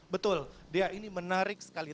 betul dea ini menarik sekali